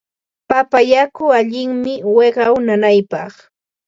Papa yaku allinmi wiqaw nanaypaq.